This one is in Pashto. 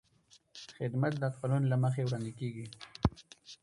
خدمت د قانون له مخې وړاندې کېږي.